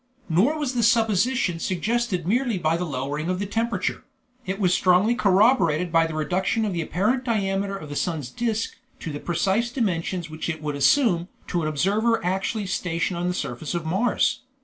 Nor was this supposition suggested merely by the lowering of the temperature; it was strongly corroborated by the reduction of the apparent diameter of the sun's disc to the precise dimensions which it would assume to an observer actually stationed on the surface of Mars.